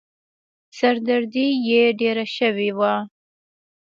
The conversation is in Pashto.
سر دردي يې ډېره شوې وه.